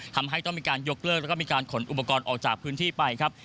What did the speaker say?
ทำให้ต้องมีการยกเลิกแล้วก็มีการขนอุปกรณ์ออกจากพื้นที่ไปครับ